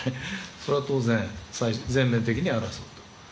それは当然、全面的に争うと。